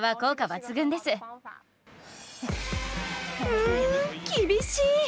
うん厳しい！